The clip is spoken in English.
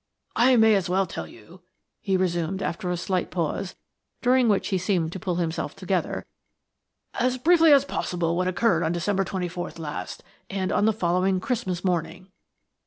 "I may as well tell you," he resumed after a slight pause, during which he seemed to pull himself together, "as briefly as possible what occurred on December 24th last and on the following Christmas morning.